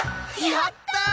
やったー！